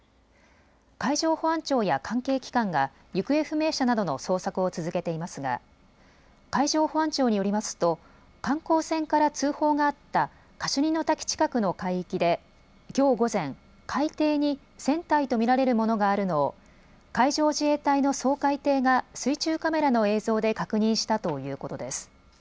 海上保安庁や関係機関が行方不明者などの捜索を続けていますが海上保安庁によりますと観光船から通報があったカシュニの滝近くの海域できょう午前、海底に船体と見られるものがあるのを海上自衛隊の掃海艇が水中カメラの映像で確認したということです。